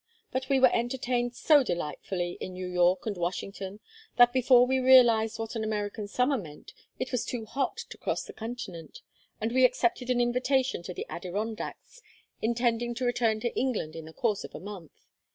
But we were entertained so delightfully in New York and Washington that before we realized what an American summer meant it was too hot to cross the continent, and we accepted an invitation to the Adirondacks, intending to return to England in the course of a month.